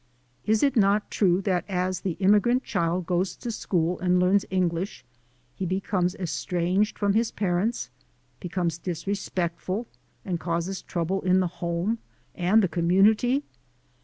Is it not true that as the immigrant child goes to school and 256 THE SOUL OF AN IMMIGRANT learns English he becomes estranged from his par ents, becomes disrespectful and causes trouble in the home and the community?